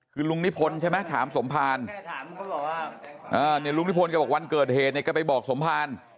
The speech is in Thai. คือลุงนิพนธ์ใช่ไหมถามสมภารลุงนิพนธ์บอกวันเกิดเหตุเนี่ยแกไปบอกสมภาร